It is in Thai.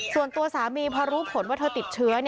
ส่วนตัวสามีพอรู้ผลว่าเธอติดเชื้อ